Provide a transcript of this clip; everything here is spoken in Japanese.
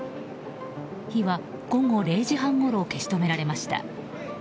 火は午後０時半ごろ消し止められました。